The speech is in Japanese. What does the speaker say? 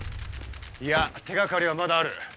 いや手掛かりはまだある。